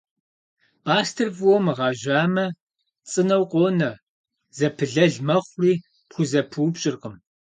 Пӏастэр фӏыуэ мыгъэжьамэ цӏынэу къонэ, зэпылэл мэхъури пхузэпыупщӏыркъым.